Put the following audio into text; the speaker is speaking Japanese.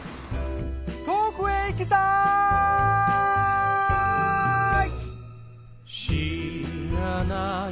遠くへ行きたい！